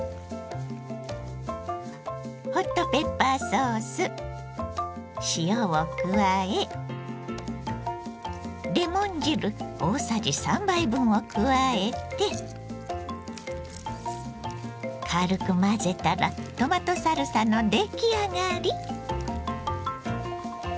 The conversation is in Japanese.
ホットペッパーソース塩を加えレモン汁大さじ３杯分を加えて軽く混ぜたらトマトサルサの出来上がり。